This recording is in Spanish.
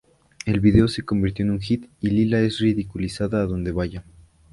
El vídeo se convierte en un Hit y Leela es ridiculizada a donde vaya.